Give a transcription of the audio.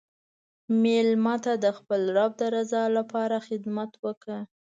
مېلمه ته د خپل رب د رضا لپاره خدمت وکړه.